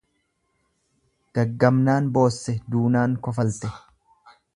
Gaggabnaan boosse duunaan kofalte ijoolleen.